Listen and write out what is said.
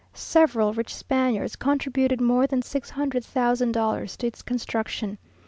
Several rich Spaniards contributed more than six hundred thousand dollars to its construction.